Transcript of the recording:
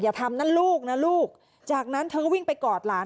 อย่าทำนะลูกนะลูกจากนั้นเธอก็วิ่งไปกอดหลาน